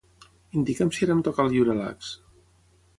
Indica'm si ara em toca el Yurelax.